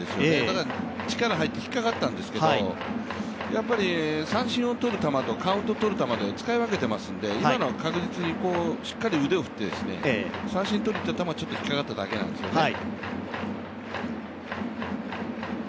だから力が入って引っかかったんですけどやっぱり三振を取る球とカウントを取る球とで使い分けていますので、今のは確実にしっかり腕を振って三振とる球が引っかかったんですね。